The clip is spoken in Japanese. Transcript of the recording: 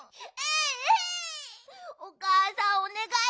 おかあさんおねがい。